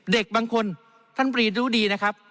เด็กบางคนท่านบรีรู้ดีนะครับ